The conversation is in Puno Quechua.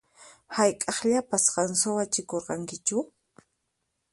Hayk'aqllapas qan suwachikurqankichu?